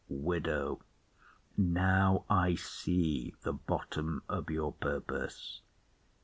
WIDOW. Now I see The bottom of your purpose.